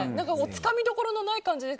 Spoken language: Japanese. つかみどころのない感じで。